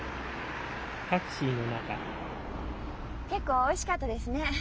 結構おいしかったですね。